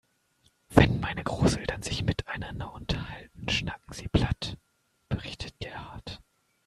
"Wenn meine Großeltern sich miteinander unterhalten, schnacken sie platt", berichtet Gerhard.